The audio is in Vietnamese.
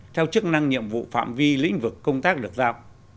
theo chức năng nhiệm vụ phạm vi lĩnh vực công tác được giao